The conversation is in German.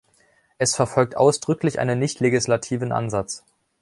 Es verfolgt ausdrücklich einen nicht-legislativen Ansatz.